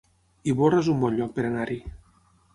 Ivorra es un bon lloc per anar-hi